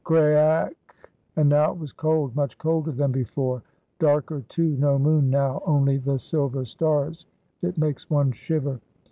Craake! And now it was cold, much colder than before, darker, too, no moon now, only the silver stars; it makes one shiver.